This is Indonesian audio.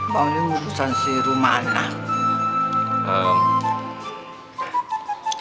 bang lu urusan sih rumah anak